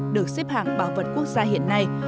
được xếp hàng bảo vật quốc gia hiện nay